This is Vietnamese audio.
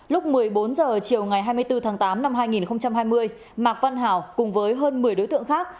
lúc một mươi bốn h chiều ngày hai mươi bốn tháng tám năm hai nghìn hai mươi mạc văn hảo cùng với hơn một mươi đối tượng khác